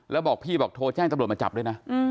แล้วบอกพี่บอกโทรแจ้งตำรวจมาจับด้วยนะ